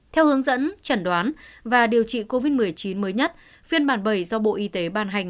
theo hướng dẫn chẩn đoán và điều trị covid một mươi chín mới nhất phiên bản bảy do bộ y tế ban hành